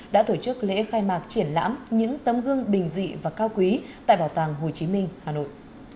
đã tổ chức lễ khai mạc triển lãm những tấm gương bình dị và cao quý tại bảo tàng hồ chí minh hà nội